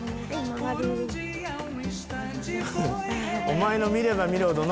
お前の見れば見るほど